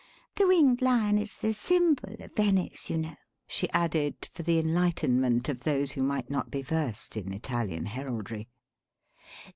The winged lion is the symbol of Venice, you know," she added for the enlightenment of those who might not be versed in Italian heraldry.